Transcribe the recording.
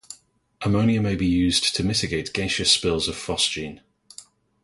Ammonia may be used to mitigate gaseous spills of phosgene.